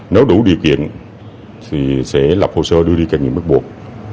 nếu đủ điều kiện sẽ lập hồ sơ đưa đi các nghiệp mức buộc